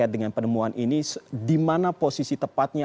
dengan penemuan ini di mana posisi tepatnya